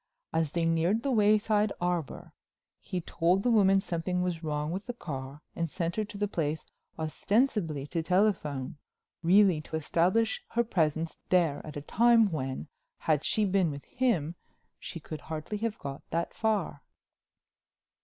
As they neared the Wayside Arbor he told the woman something was wrong with the car and sent her to the place ostensibly to telephone, really to establish her presence there at a time when, had she been with him, she could hardly have got that far."